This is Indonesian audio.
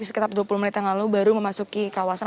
sekitar dua puluh menit yang lalu baru memasuki kawasan